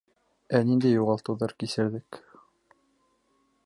— Ә ниндәй юғалтыуҙар кисерҙек?